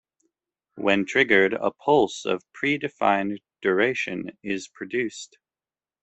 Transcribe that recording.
When triggered, a pulse of pre-defined duration is produced.